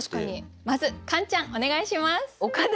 まずカンちゃんお願いします。